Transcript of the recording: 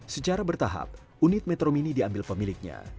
secara bertahap unit metro mini diambil pemiliknya